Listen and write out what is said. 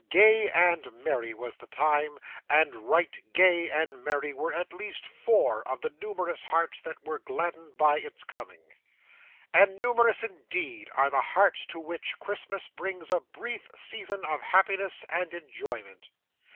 Gay and merry was the time; and right gay and merry were at least four of the numerous hearts that were gladdened by its coming. And numerous indeed are the hearts to which Christmas brings a brief season of happiness and enjoyment.